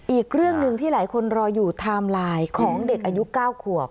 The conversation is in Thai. อีกเรื่องหนึ่งที่หลายคนรออยู่ไทม์ไลน์ของเด็กอายุ๙ขวบ